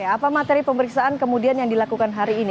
apa materi pemeriksaan kemudian yang dilakukan hari ini